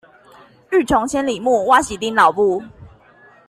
欲窮千里目，哇洗林老木